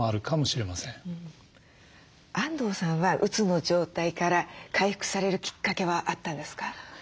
安藤さんはうつの状態から回復されるきっかけはあったんですか？